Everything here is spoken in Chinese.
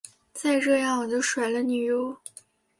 再这样我就甩了你唷！